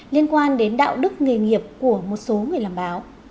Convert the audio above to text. liên quan đến đạo đức nghề nghiệp của một số người làm báo